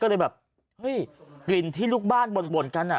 ก็เลยแบบเฮ้ยกลิ่นที่ลูกบ้านบ่นกันอ่ะ